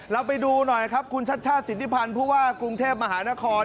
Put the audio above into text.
เราไปดูหน่อยครับคุณชัดสิทธิพลพุคว่ากรุงเทพมหานคร